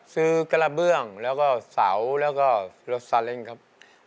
ซื้อกระเบื้องแล้วก็เสาแล้วก็รสซาลินครับ